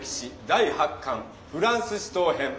第８巻フランス死闘編。